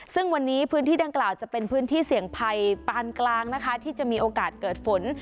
ซึ่งวันนี้พื้นที่ดังกล่าวจะเป็นพื้นที่เสี่ยงภัยปานกลางนะคะที่จะมีโอกาสเกิดฝน